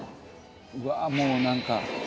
うわもうなんか。